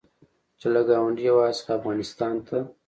چې له ګاونډي هېواد څخه افغانستان ته